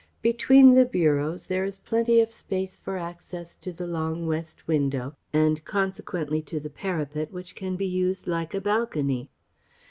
Between the bureaus there is plenty of space for access to the long west window and consequently to the parapet which can be used like a balcony.